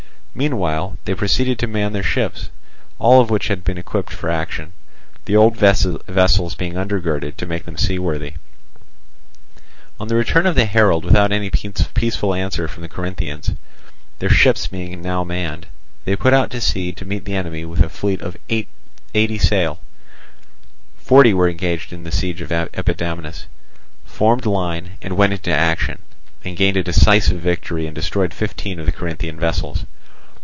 Meanwhile they proceeded to man their ships, all of which had been equipped for action, the old vessels being undergirded to make them seaworthy. On the return of the herald without any peaceful answer from the Corinthians, their ships being now manned, they put out to sea to meet the enemy with a fleet of eighty sail (forty were engaged in the siege of Epidamnus), formed line, and went into action, and gained a decisive victory, and destroyed fifteen of the Corinthian vessels.